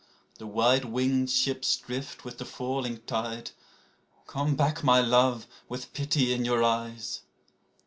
The white winged ships drift with the falling tide, Come back, my love, with pity in your eyes